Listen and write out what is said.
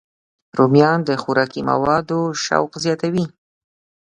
رومیان د خوراکي موادو شوق زیاتوي